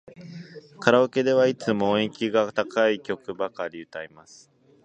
カラオケではいつも音域が高い曲ばかり歌います。